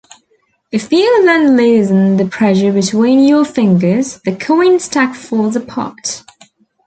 If you then loosen the pressure between your fingers, the coin stack falls apart.